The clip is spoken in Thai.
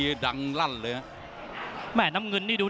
เอ้ายก๓ครับเดี๋ยวดู